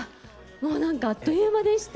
もうなんかあっという間でした。